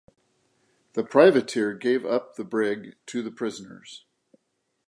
The privateer gave up the brig to the prisoners.